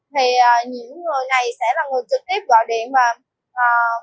thì những người này sẽ là người trực tiếp gọi điện và